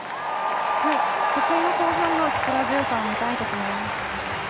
得意の後半の力強さを見たいですね。